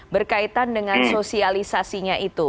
berkaitan dengan sosialisasinya itu